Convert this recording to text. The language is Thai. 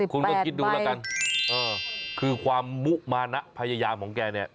คุณก็คิดดูแล้วกันเออคือความมุมานะพยายามของแกเนี่ย